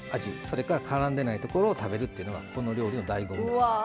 それからからんでないところを食べるというのがこの料理のだいご味なんです。